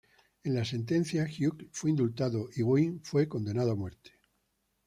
En la sentencia, Hughes fue indultado y Gwyn fue condenado a muerte.